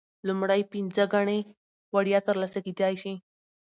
لومړۍ پنځه ګڼې وړیا ترلاسه کیدی شي.